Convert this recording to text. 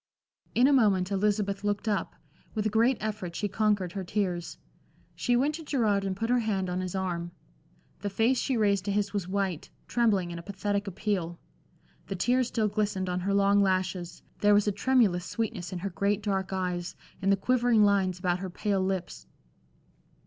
In a moment Elizabeth looked up; with a great effort she conquered her tears. She went to Gerard and put her hand on his arm. The face she raised to his was white, trembling in a pathetic appeal. The tears still glistened on her long lashes, there was a tremulous sweetness in her great dark eyes, in the quivering lines about her pale lips.